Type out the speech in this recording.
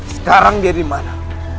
sekarang dia dimana